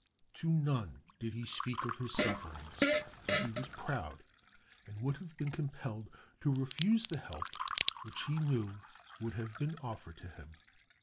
To none did he speak of his sufferings, for he was proud and would have been compelled to refuse the help which he knew would have been offered to him.